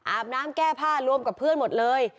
อาบน้ำแก้ผ้ารวมกับเพื่อนหมดเลย